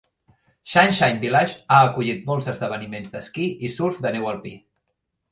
Sunshine Village ha acollit molts esdeveniments d'esquí i surf de neu alpí.